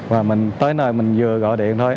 và mình tới nơi mình vừa gọi điện thoại